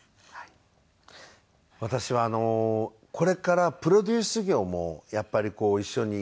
私はこれからプロデュース業もやっぱりこう一緒に。